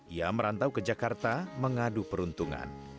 ia merantau ke jakarta mengadu peruntungan